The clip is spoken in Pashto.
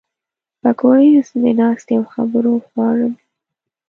پکورې د ناستې او خبرو خواړه دي